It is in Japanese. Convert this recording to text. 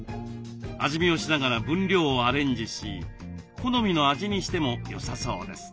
味見をしながら分量をアレンジし好みの味にしてもよさそうです。